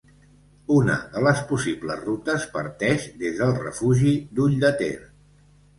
Una de les possibles rutes parteix des del refugi d'Ulldeter.